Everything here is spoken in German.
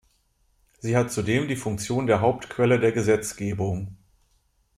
Sie hat zudem die Funktion der Hauptquelle der Gesetzgebung.